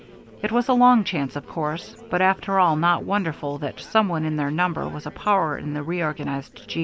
It was a long chance, of course, but after all not wonderful that some one in their number was a power in the reorganized G.